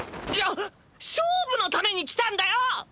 しょ勝負のために来たんだよ！